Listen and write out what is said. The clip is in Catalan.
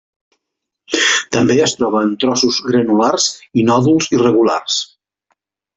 També es troba en trossos granulars i nòduls irregulars.